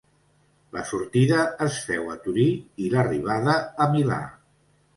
La sortida es féu a Torí i l'arribada a Milà.